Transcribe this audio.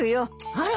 あら？